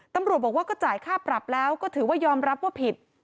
ตำรวจบอกว่าก็จ่ายค่าปรับแล้วก็ถือว่ายอมรับว่าผิด